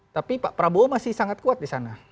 tapi pak prabowo masih sangat kuat di sana